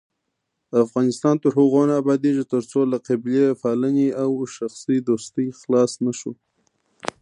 افغانستان تر هغو نه ابادیږي، ترڅو له قبیلې پالنې او شخصي دوستۍ خلاص نشو.